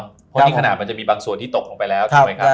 เพราะนี่มีขนาดจะมีบางส่วนที่ตกออกไปแล้ว